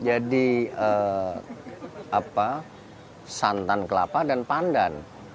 ini apa santan kelapa dan pandan